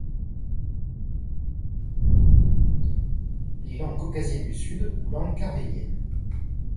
Les langues caucasiennes du Sud ou langues kartvéliennes.